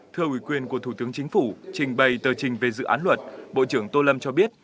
thưa ủy quyền của thủ tướng chính phủ trình bày tờ trình về dự án luật bộ trưởng tô lâm cho biết